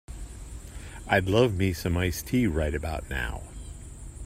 I'd love me some iced tea right about now.